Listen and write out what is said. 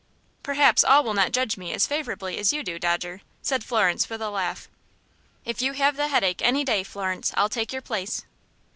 "Perhaps all will not judge me as favorably as you do, Dodger," said Florence, with a laugh. "If you have the headache any day, Florence, I'll take your place."